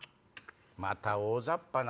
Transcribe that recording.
また大ざっぱな。